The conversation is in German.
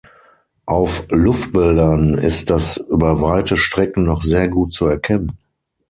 Auf Luftbildern ist das über weite Strecken noch sehr gut zu erkennen.